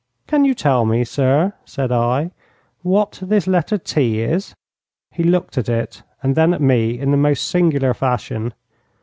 'Can you tell me, sir,' said I, 'what this letter T is?' He looked at it and then at me in the most singular fashion.